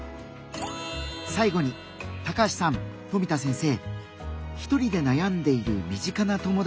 最後に高橋さん富田先生。